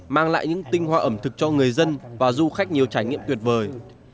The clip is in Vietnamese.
mang lại những tinh hoa ẩm thực cho người dân và du khách nhiều trải nghiệm tuyệt vời